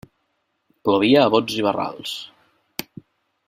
Plovia a bots i barrals.